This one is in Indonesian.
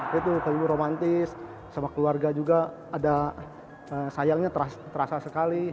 kelihatan romantis sama keluarga juga ada sayangnya terasa sekali